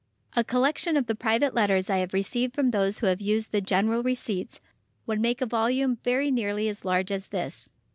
A collection of the private letters I have received from those who have used the "General Receipts" would make a volume very nearly as large as this.